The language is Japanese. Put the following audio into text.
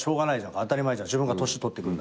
当たり前じゃん自分が年取ってくんだから。